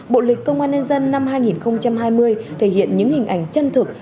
bộ lịch công an nhân dân năm hai nghìn hai mươi thể hiện những hình ảnh chân thực